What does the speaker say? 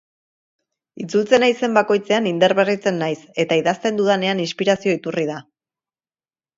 Itzultzen naizen bakoitzean indarberritzen naiz eta idazten dudanean inspirazio iturri da.